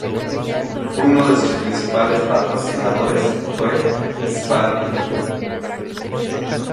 Uno de sus principales patrocinadores fue Spalding.